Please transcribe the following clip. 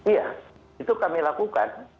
iya itu kami lakukan